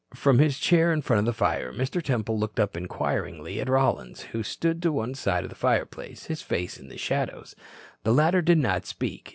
From his chair in front of the fire, Mr. Temple looked up inquiringly at Rollins, who stood to one side of the fireplace, his face in the shadows. The latter did not speak.